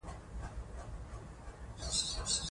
د هغوی تګلارې تعقیب کړئ.